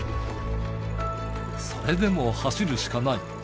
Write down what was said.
それでも走るしかない。